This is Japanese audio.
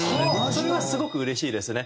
それはすごくうれしいですね。